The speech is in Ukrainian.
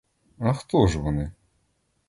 А хто ж вони?